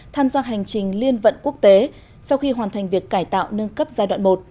tham gia hành trình liên vận quốc tế sau khi hoàn thành việc cải tạo nâng cấp giai đoạn một